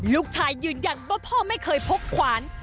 ลูกชายยืนยันว่าพ่อไม่เคยพกขวาน